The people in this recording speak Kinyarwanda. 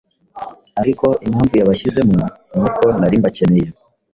Ariko impamvu yabashyizemo ni uko nari mbakeneye.